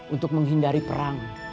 untuk menghindari perang